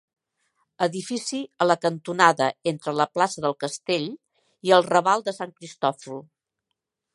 Edifici a la cantonada entre la plaça del castell i el raval de Sant Cristòfol.